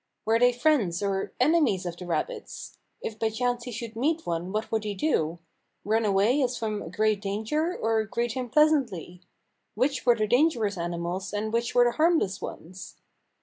Were they friends or enemies of the rabbits? If by chance he should meet one what would he do? Run away as from a great danger, or greet him pleasantly? Which were the dangerous ani mals, and which were the harmless ones?